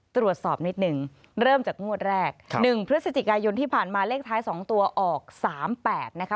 ตรวจสอบนิดหนึ่งเริ่มจากงวดแรก๑พฤศจิกายนที่ผ่านมาเลขท้าย๒ตัวออก๓๘นะคะ